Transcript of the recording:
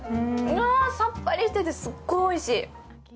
わ、さっぱりしてて、すっごいおいしい。